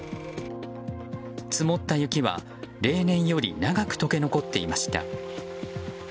積もった雪は例年より長く解け残っていました。